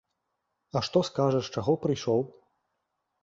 А што скажаш, чаго прыйшоў?